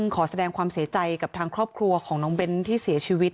ขอแสดงความเสียใจกับทางครอบครัวของน้องเบ้นที่เสียชีวิต